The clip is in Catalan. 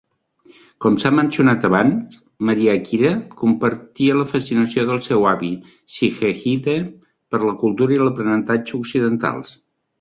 Com s'ha mencionat abans, Mariakira compartia la fascinació del seu avi Shigehide per la cultura i l'aprenentatge occidentals.